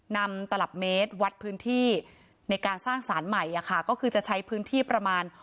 ตลับเมตรวัดพื้นที่ในการสร้างสารใหม่ก็คือจะใช้พื้นที่ประมาณ